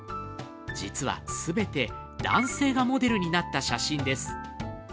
実は、全て男性がモデルになった写真です。